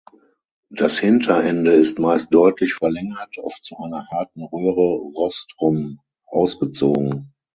Das Hinterende ist meist deutlich verlängert, oft zu einer harten Röhre Rostrum ausgezogen.